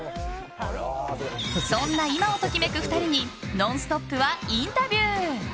そんな今を時めく２人に「ノンストップ！」はインタビュー。